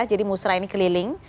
jadi musra ini keliling